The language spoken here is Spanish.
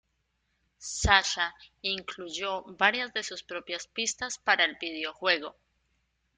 Sasha incluyó varias de sus propias pistas para el videojuego.